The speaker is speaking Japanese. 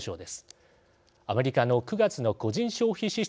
アメリカの９月の個人消費支出